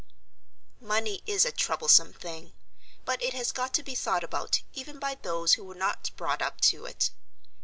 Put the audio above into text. Money is a troublesome thing. But it has got to be thought about even by those who were not brought up to it.